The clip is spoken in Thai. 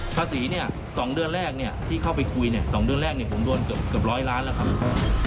ภาษีเนี่ย๒เดือนแรกที่เข้าไปคุย๒เดือนแรกผมโดนเกือบร้อยล้านแล้วครับ